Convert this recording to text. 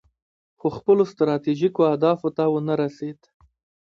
خو خپلو ستراتیژیکو اهدافو ته ونه رسید.